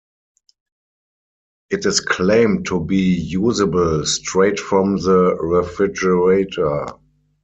It is claimed to be usable straight from the refrigerator.